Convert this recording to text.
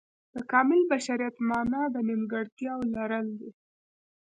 د کامل بشریت معنا د نیمګړتیاو لرل دي.